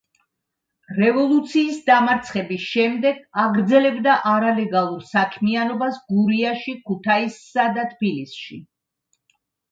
რევოლუციის დამარცხების შემდეგ აგრძელებდა არალეგალურ საქმიანობას გურიაში, ქუთაისსა და თბილისში.